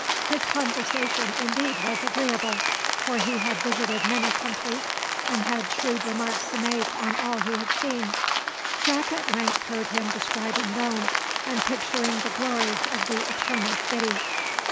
His conversation indeed was agreeable, for he had visited many countries, and had shrewd remarks to make on all he had seen. Jack at length heard him describing Rome, and picturing the glories of the Eternal City.